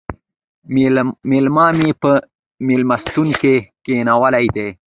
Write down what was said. مېلما مې په مېلمستون کې کښېناولی دی